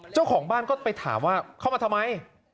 เจ้าของบ้านก็ไปถามว่าเข้ามาทำไม